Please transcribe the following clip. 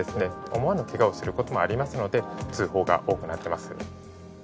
思わぬケガをする事もありますので通報が多くなってます。